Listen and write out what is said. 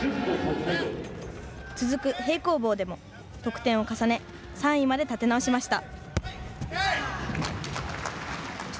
続く平行棒でも得点を重ね、３位まで立て直しました。